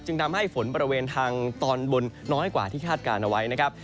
ทำให้ฝนบริเวณทางตอนบนน้อยกว่าที่คาดการณ์เอาไว้นะครับ